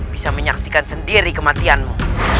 bisa menyaksikan sendiri kematianmu